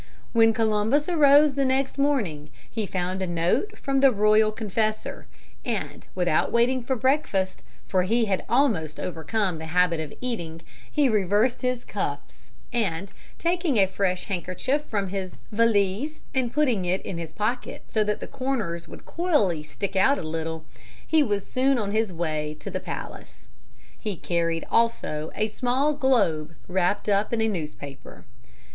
When Columbus arose the next morning he found a note from the royal confessor, and, without waiting for breakfast, for he had almost overcome the habit of eating, he reversed his cuffs, and, taking a fresh handkerchief from his valise and putting it in his pocket so that the corners would coyly stick out a little, he was soon on his way to the palace. He carried also a small globe wrapped up in a newspaper.